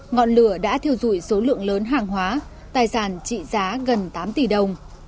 ngọn lửa đã thiêu dụi số lượng lớn hàng hóa tài sản trị giá gần tám tỷ đồng